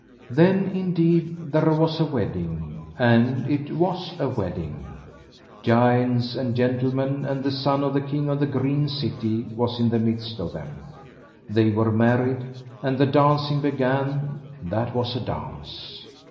Then, indeed, there was a wedding, and it was a wedding! Giants and gentlemen, and the son of the king of the Green City was in the midst of them. They were married, and the dancing began, that was a dance!